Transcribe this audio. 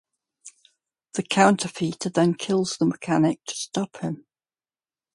The counterfeiter then kills the mechanic to stop him.